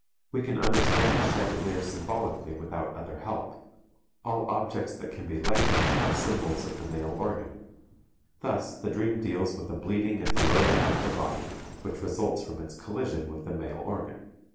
We can understand the chandelier symbolically without other help; all objects that can be lengthened are symbols of the male organ. Thus the dream deals with a bleeding at the lower end of the body, which results from its collision with the male organ.